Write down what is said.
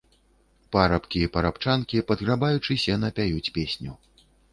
Парабкі і парабчанкі, падграбаючы сена, пяюць песню.